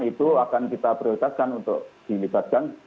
itu akan kita prioritaskan untuk dilibatkan